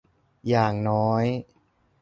อย่างน้อย